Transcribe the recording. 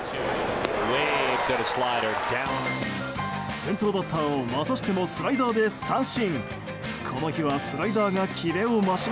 先頭バッターをまたしてもスライダーで三振。